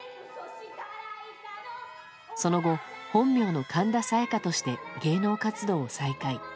その後、本名の神田沙也加として芸能活動を再開。